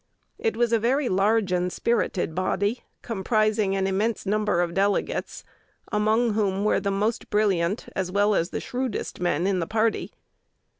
It was a very large and spirited body, comprising an immense number of delegates, among whom were the most brilliant, as well as the shrewdest men in the party.